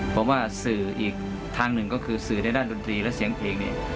ผมว่าสื่ออีกทางหนึ่งก็คือสื่อในด้านดนตรีและเสียงเพลงเนี่ย